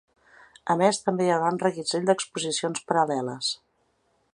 A més, també hi haurà un reguitzell d’exposicions paral·leles.